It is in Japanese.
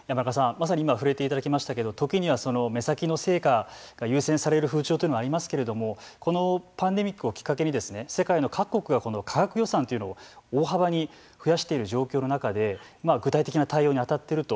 まさに今触れていただきましたけど時には目先の成果が優先される風潮というのはありますけれどもこのパンデミックをきっかけに世界の各国が科学予算というのを大幅に増やしている状況の中で具体的な対応に当たっていると。